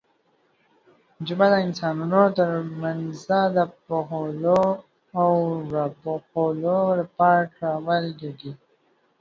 ژبه د انسانانو ترمنځ د پوهولو او راپوهولو لپاره کارول کېږي.